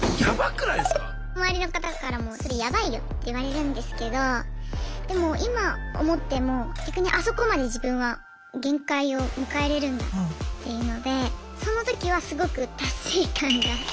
周りの方からもそれヤバいよって言われるんですけどでも今思っても逆にあそこまで自分は限界を迎えれるんだっていうのでその時はすごく達成感がありました。